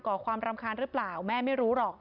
่อความรำคาญหรือเปล่าแม่ไม่รู้หรอก